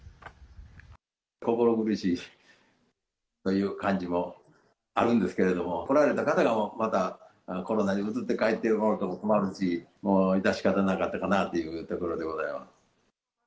心苦しいという感じもあるんですけど、来られた方がまたコロナにうつって帰ってもろても困るし、もう致し方なかったかなというところでございます。